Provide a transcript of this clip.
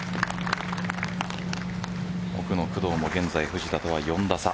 奥の工藤も現在、藤田とは４打差。